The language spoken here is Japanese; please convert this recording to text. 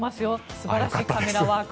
素晴らしいカメラワーク。